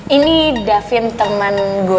ini davin teman gue